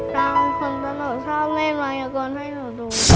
ตามความต้องหนูชอบเล่นว่าไงก็กลัวให้หนูดู